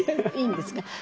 いいんですが。